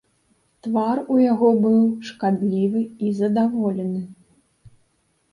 Твар у яго быў шкадлівы і задаволены.